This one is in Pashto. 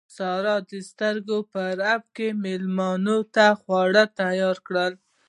سارې د سترګو په رپ کې مېلمنو ته خواړه تیار کړل.